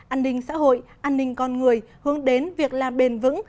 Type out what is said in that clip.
an ninh xã hội an ninh con người hướng đến việc làm bền vững